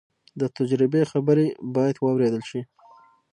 د تجربې خبرې باید واورېدل شي.